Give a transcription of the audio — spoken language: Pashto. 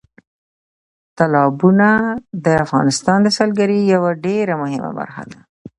تالابونه د افغانستان د سیلګرۍ یوه ډېره مهمه برخه ده.